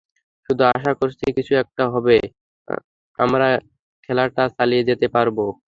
শুধু আশা করছি কিছু একটা হবে, আমরা খেলাটা চালিয়ে যেতে পারব।